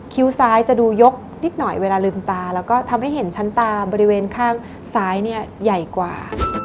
คิ้วซ้ายจะดูยกนิดหน่อยเวลาลืมตาแล้วก็ทำให้เห็นชั้นตาบริเวณข้างซ้ายเนี่ยใหญ่กว่า